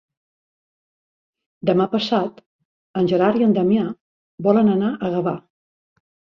Demà passat en Gerard i en Damià volen anar a Gavà.